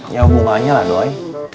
ya hubungannya lah doi